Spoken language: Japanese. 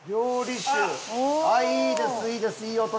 いいですいいですいい音です。